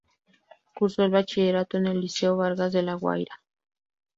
Cursó el bachillerato en el Liceo Vargas de La Guaira.